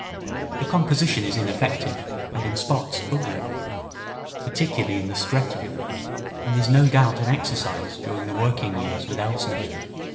The composition is ineffective, and in spots ugly particularly in the stretta and is no doubt an exercise during the working years with Elsner.